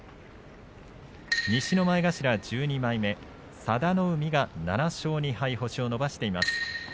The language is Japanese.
西の前頭１２枚目、佐田の海が７勝２敗と星を伸ばしています。